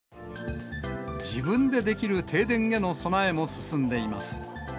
自分でできる停電への備えも進んでいます。